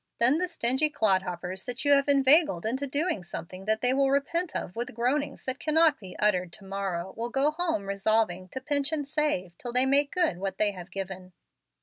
Then the stingy clodhoppers that you have inveigled into doing something that they will repent of with groanings that cannot be uttered to morrow will go home resolving to pinch and save till they make good what they have given."